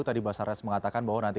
tadi basarnas mengatakan bahwa nanti